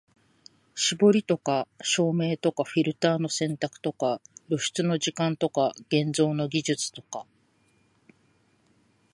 絞りとか照明とかフィルターの選択とか露出の時間とか現像の技術とか、